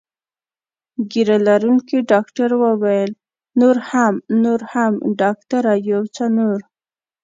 ږیره لرونکي ډاکټر وویل: نور هم، نور هم، ډاکټره یو څه نور.